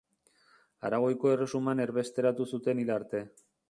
Aragoiko Erresuman erbesteratu zuten hil arte.